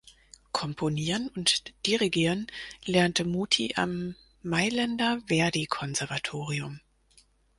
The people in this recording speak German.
Komponieren und Dirigieren lernte Muti am Mailänder Verdi-Konservatorium.